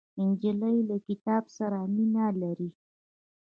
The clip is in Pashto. نجلۍ له کتاب سره مینه لري.